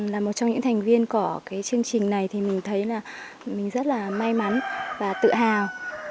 là một trong những thành viên của cái chương trình này thì mình thấy là mình rất là may mắn và tự hào